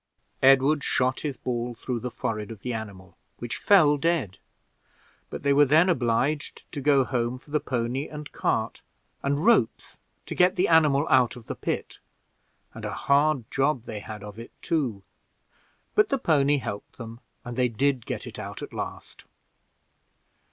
Edward shot his ball through the forehead of the animal, which fell dead: but they were then obliged to go home for the pony and cart, and ropes to get the animal out of the pit, and a hard job they had of it too; but the pony helped them, and they did get it out at last.